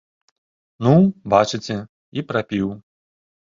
Ну, бачыце, і прапіў.